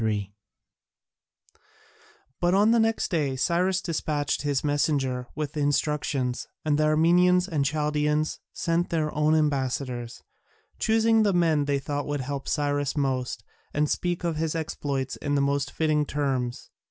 [C.3] But on the next day Cyrus despatched his messenger with the instructions, and the Armenians and Chaldaeans sent their own ambassadors, choosing the men they thought would help Cyrus most and speak of his exploits in the most fitting terms.